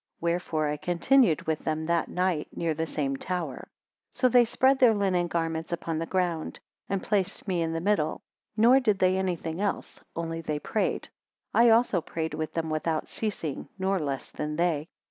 Wherefore I continued with them that night near the same tower. 103 So they spread their linen garments upon the ground; and placed me in the middle, nor did they anything else, only they prayed. 104 I also prayed with them without ceasing, nor less than they.